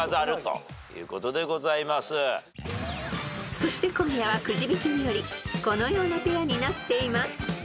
［そして今夜はくじ引きによりこのようなペアになっています］